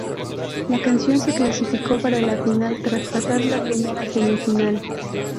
La canción se clasificó para la final tras pasar la primera semifinal.